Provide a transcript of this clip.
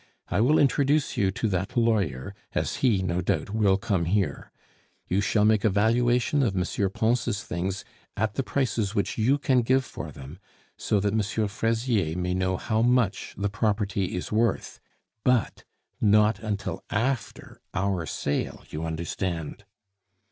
I will introduce you to that lawyer, as he, no doubt, will come here. You shall make a valuation of M. Pons' things at the prices which you can give for them, so that M. Fraisier may know how much the property is worth. But not until after our sale, you understand!"